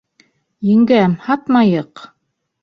— Еңгәм, һатмайыҡ!